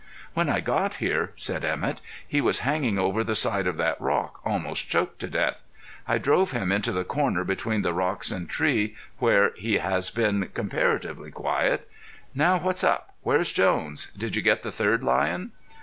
"When I got here," said Emett, "he was hanging over the side of that rock, almost choked to death. I drove him into this corner between the rocks and the tree, where he has been comparatively quiet. Now, what's up? Where is Jones? Did you get the third lion?"